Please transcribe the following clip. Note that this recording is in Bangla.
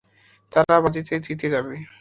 তারা বাজিতে জিতে যাবে।